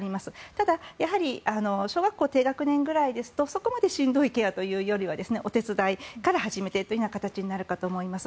ただ、小学校低学年ぐらいですとそこまでしんどいケアというよりはお手伝いから始めてという形になるかと思います。